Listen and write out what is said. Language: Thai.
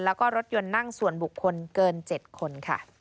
และรถยนต์นั่งส่วนบุคคลเกิน๗คน